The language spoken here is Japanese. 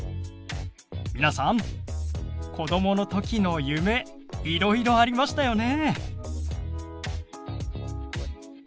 皆さん子どもの時の夢いろいろありましたよね？